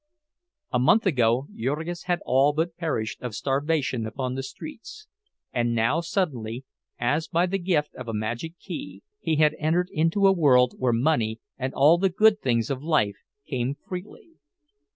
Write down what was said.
A month ago Jurgis had all but perished of starvation upon the streets; and now suddenly, as by the gift of a magic key, he had entered into a world where money and all the good things of life came freely.